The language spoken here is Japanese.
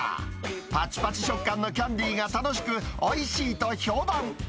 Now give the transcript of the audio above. ぱちぱち食感のキャンディーが楽しく、おいしいと評判。